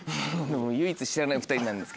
唯一知らない２人なんですけど。